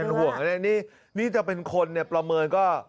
เป็นห่วงนะเนี่ยนี่จะเป็นคนเนี่ยประเมินก็